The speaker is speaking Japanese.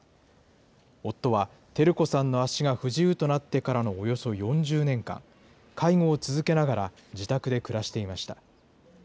夫は照子さんの足が不自由となってからのおよそ４０年間、介護を続けながら自宅で暮らしていました。